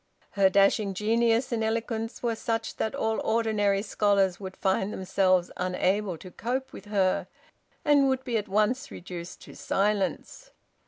Her dashing genius and eloquence were such that all ordinary scholars would find themselves unable to cope with her, and would be at once reduced to silence.